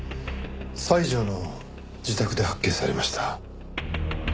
西條の自宅で発見されました。